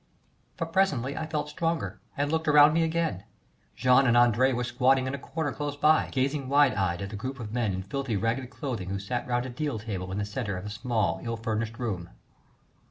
But presently I felt stronger and looked around me again. Jean and André were squatting in a corner close by, gazing wide eyed at the group of men in filthy, ragged clothing who sat round a deal table in the centre of a small, ill furnished room.